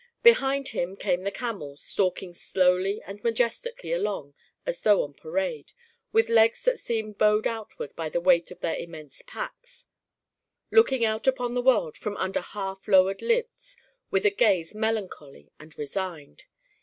Behind him came the camels, stalking slowly and majestically along as though on parade, with legs that seemed bowed out ward by the weight of their immense packs, looking out upon the world from under half lowered lids with a gaze melancholy and resigned.